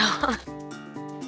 terima kasih pak rete